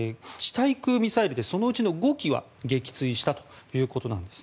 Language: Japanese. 対空ミサイルでそのうちの５機は撃墜したということです。